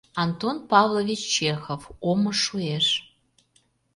Антон Павлович ЧЕХОВ «ОМО ШУЭШ»